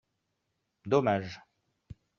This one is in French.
Dommage